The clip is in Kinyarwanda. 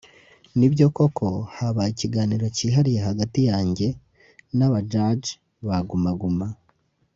nibyo koko habaye ikiganiro kihariye hagati yanjye n’Aba Judges ba Guma Guma